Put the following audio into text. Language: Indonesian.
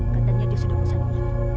katanya dia sudah bosan